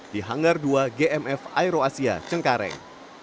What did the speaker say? di hangar dua gmf aero asia cengkareng